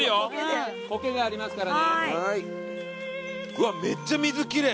うわっめっちゃ水奇麗。